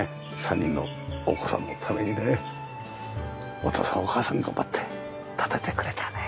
３人のお子さんのためにねお父さんお母さん頑張って建ててくれたね。